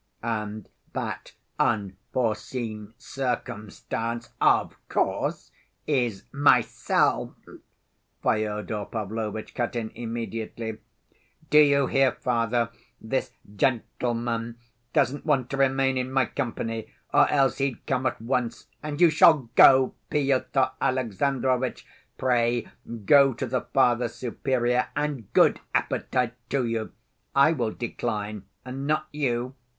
"And that unforeseen circumstance, of course, is myself," Fyodor Pavlovitch cut in immediately. "Do you hear, Father; this gentleman doesn't want to remain in my company or else he'd come at once. And you shall go, Pyotr Alexandrovitch, pray go to the Father Superior and good appetite to you. I will decline, and not you.